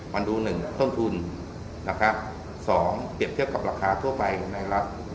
มันดูหนึ่งต้นทุนนะครับสองเปรียบเทียบกับราคาทั่วไปในรัฐ